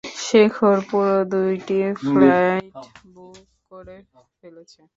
শেখর পুরো দুইটি flight book করে ফেলেছে।